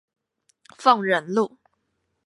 鳳仁路